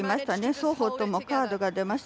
双方ともカードが出ました。